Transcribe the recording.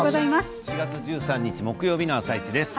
４月１３日木曜日の「あさイチ」です。